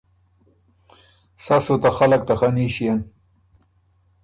سَۀ سُو ته خلق ته خني ݭيېن۔“